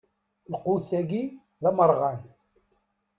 Lqut-agi d amerɣan.